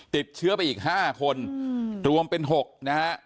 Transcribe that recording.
ติดเชื้อไปอีก๕คนรวมเป็น๖นะฮะ